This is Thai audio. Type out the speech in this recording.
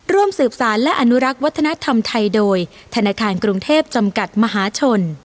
ร่วมสืบสารและอนุรักษ์วัฒนธรรมไทยโดยธนาคารกรุงเทพจำกัดมหาชน